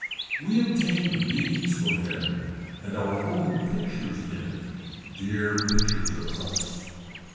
We obtained beads for him and our own pictures in it. Dear pictures of us.